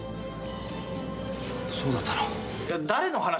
そうだったの？